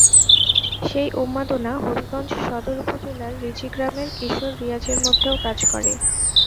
সেই উন্মাদনা হবিগঞ্জ সদর উপজেলার রিচি গ্রামের কিশোর রিয়াজের মধ্যেও কাজ করে।